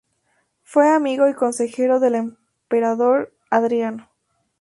Fue amigo y consejero del emperador Adriano.